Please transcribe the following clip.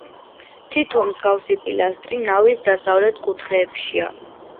თითო მსგავსი პილასტრი ნავის დასავლეთ კუთხეებშია.